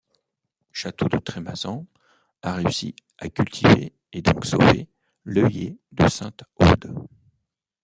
Château de Trémazan a réussi à cultiver et donc sauver l'œillet de Sainte Haude.